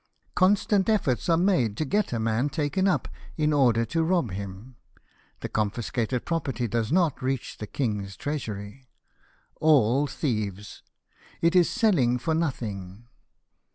Constant efforts are made to get a man taken up in order to rob him. The confiscated property does not reach the king's treasury. All thieves ! It is selling for nothing.